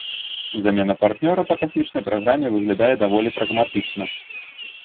Замена партнёра па касмічнай праграме выглядае даволі прагматычна.